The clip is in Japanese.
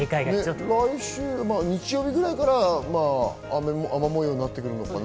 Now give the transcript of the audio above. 来週日曜日くらいから雨模様になってくるのかな？